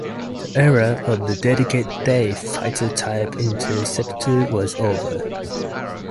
The era of the dedicated day fighter-type interceptor was over.